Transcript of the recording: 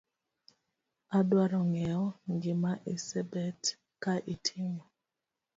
Adwaro ng'eyo gima isebet ka itimo